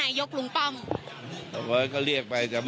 อันนี้จะต้องจับเบอร์เพื่อที่จะแข่งกันแล้วคุณละครับ